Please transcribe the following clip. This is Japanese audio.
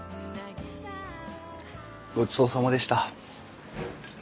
ごちそうさまでした。